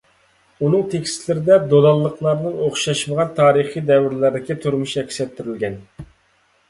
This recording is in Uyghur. ئۇنىڭ تېكىستلىرىدە دولانلىقلارنىڭ ئوخشاشمىغان تارىخىي دەۋرلەردىكى تۇرمۇشى ئەكس ئەتتۈرۈلگەن.